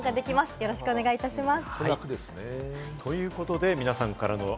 よろしくお願いします。